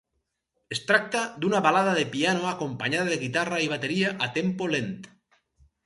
Es tracta d'una balada de piano acompanyada de guitarra i bateria a tempo lent.